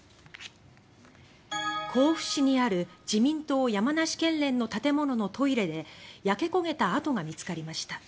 甲府市にある自民党山梨県連の建物のトイレで焼け焦げた跡が見つかりました。